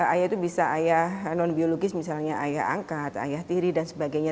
ayah itu bisa ayah non biologis misalnya ayah angkat ayah tiri dan sebagainya